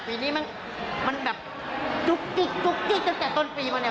ปีนี้มันแบบจุ๊กจิ๊กจุ๊กจิ๊กจนแต่ตอนปีมาเนี้ย